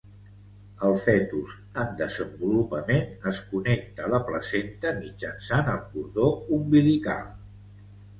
El fetus en desenvolupament es connecta a la placenta mitjançant el cordó umbilical.